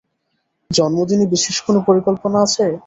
জন্মদিনে বিশেষ কোনো পরিকল্পনা আছে?